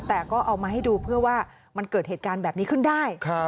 แต่ก็เอามาให้ดูเพื่อว่ามันเกิดเหตุการณ์แบบนี้ขึ้นได้